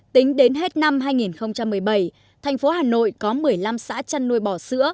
tính đến hết năm hai nghìn một mươi bảy thành phố hà nội có một mươi năm xã chăn nuôi bò sữa